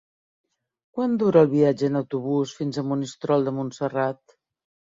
Quant dura el viatge en autobús fins a Monistrol de Montserrat?